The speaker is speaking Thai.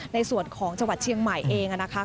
ในส่วนของจังหวัดเชียงใหม่เองนะคะ